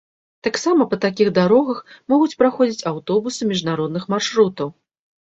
Таксама па такіх дарогах могуць праходзіць аўтобусы міжнародных маршрутаў.